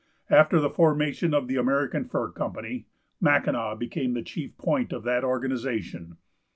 After the formation of the American Fur Company, Mackinaw became the chief point of that organization.